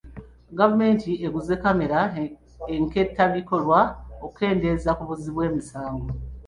Gavumenti eguze kamera enkettabikolwa okukendeeza ku buzzi bw'emisango.